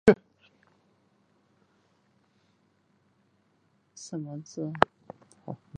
背鳍与臀鳍的最后一鳍条鳍膜与尾柄不相连。